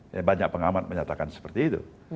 ya banyak pengamat menyatakan seperti itu